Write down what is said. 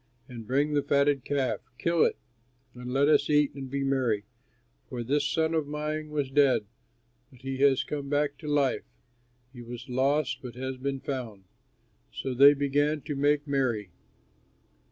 And bring the fatted calf, kill it, and let us eat and be merry; for this son of mine was dead but has come back to life, he was lost but has been found.' So they began to make merry.